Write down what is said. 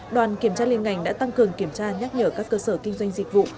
đoàn kiểm tra liên ngành đã tăng cường kiểm tra nhắc nhở các cơ sở kinh doanh dịch vụ